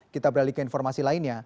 kita beralih ke informasi lainnya